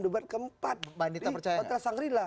debat keempat di pantra sangrila